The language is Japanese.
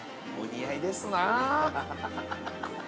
◆お似合いですな。